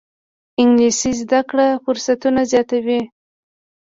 انګلیسي زده کړه فرصتونه زیاتوي